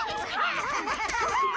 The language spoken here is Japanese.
ハハハハ！